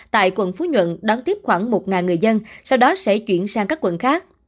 tại quận phú nhuận đón tiếp khoảng một người dân sau đó sẽ chuyển sang các quận khác